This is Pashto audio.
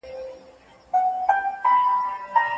سبا به هغه په خپل دفتر کي خپله دنده ترسره کوي.